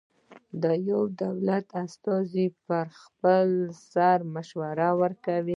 د یوه دولت استازی پر خپل سر مشوره ورکوي.